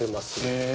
へえ。